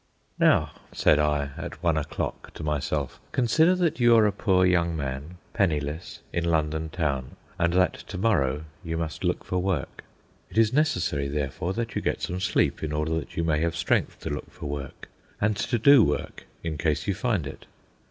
Now, said I, at one o'clock, to myself; consider that you are a poor young man, penniless, in London Town, and that to morrow you must look for work. It is necessary, therefore, that you get some sleep in order that you may have strength to look for work and to do work in case you find it.